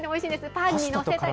パンに載せたり。